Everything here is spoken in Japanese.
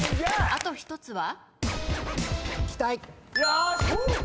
あと１つは？